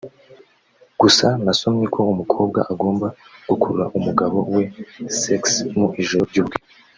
Gusa nasomye ko umukobwa agomba gukurura umugabo we (sexy) mu ijoro ry’ubukwe